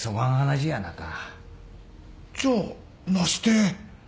じゃあなして？